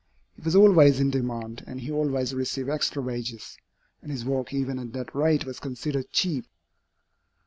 He was always in demand, and he always received extra wages, and his work even at that rate was considered cheap.